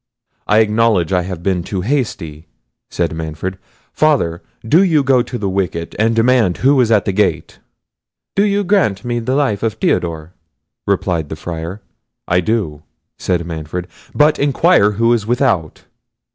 "I acknowledge I have been too hasty," said Manfred. "Father, do you go to the wicket, and demand who is at the gate." "Do you grant me the life of Theodore?" replied the Friar. "I do," said Manfred; "but inquire who is without!"